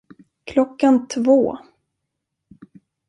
Klockan två.